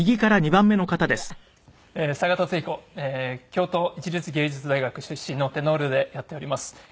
京都市立芸術大学出身のテノールでやっております。